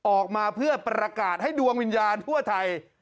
ออกมาเพื่อประกาศให้ดวงวิญญาณทั่วไทย